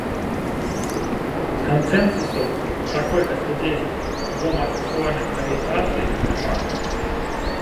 Кансэнсусу пра колькасць людзей з гомасексуальнай арыентацыяй няма.